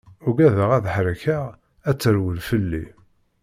Uggadeɣ ad ḥerkeɣ ad terwel fell-i.